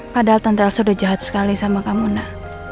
padahal tante elsa udah jahat sekali sama kamu nak